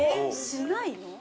◆しないの？